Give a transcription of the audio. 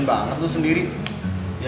biasanya lu kayak terong sama cabenya